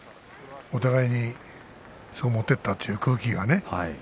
お互いにそう思っていたという雰囲気がね。